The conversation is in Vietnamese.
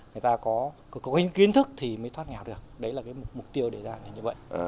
người ta có kiến thức thì mới thoát nghèo được đấy là mục tiêu để ra như vậy